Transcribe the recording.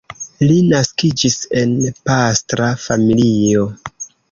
Li naskiĝis en pastra familio.